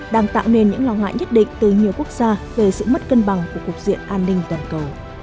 đang tạo nên những lo ngại nhất định từ nhiều quốc gia về sự mất cân bằng của cục diện an ninh toàn cầu